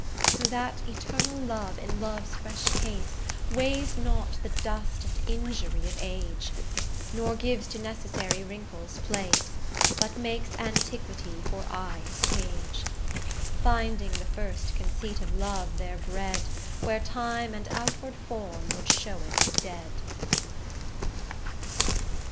So that eternal love in love's fresh case, Weighs not the dust and injury of age, Nor gives to necessary wrinkles place, But makes antiquity for aye his page; Finding the first conceit of love there bred, Where time and outward form would show it dead.